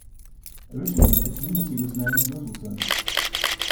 Originally, the community was known as "Littleton".